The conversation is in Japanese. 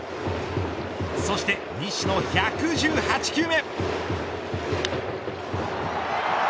そして西の１１８球目。